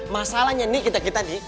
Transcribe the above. masalahnya nih kita kita nih